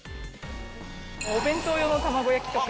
お弁当用の卵焼きとか。